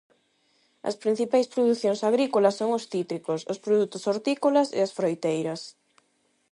As principais producións agrícolas son os cítricos, os produtos hortícolas e as froiteiras.